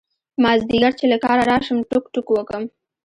مازدیگر چې له کاره راشم ټوک ټوک وم.